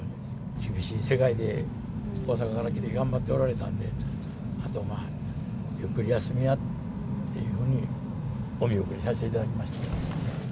厳しい世界で、大阪から来て頑張っておられたんで、あとまあ、ゆっくり休みやっていうふうにお見送りさせていただきました。